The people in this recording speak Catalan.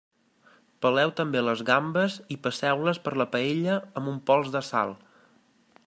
Peleu també les gambes i passeu-les per la paella amb un pols de sal.